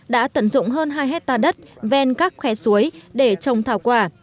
đã tận dụng hơn hai hectare đất ven các khoe suối để trồng thảo quả